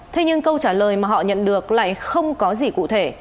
thế nhưng câu trả lời mà họ nhận được lại không có gì cụ thể